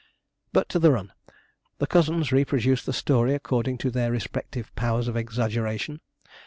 But to the run. The cousins reproduced the story according to their respective powers of exaggeration.